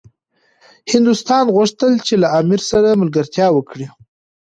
هندوستان غوښتل چي له امیر سره ملګرتیا وکړي.